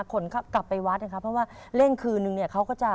คนกลับไปวัดนะครับเพราะว่าเล่นคืนนึงเนี่ยเขาก็จะ